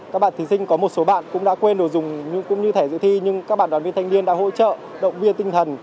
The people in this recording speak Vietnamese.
các bạn thí sinh có một số bạn cũng đã quên đồ dùng cũng như thẻ dự thi nhưng các bạn đoàn viên thanh niên đã hỗ trợ động viên tinh thần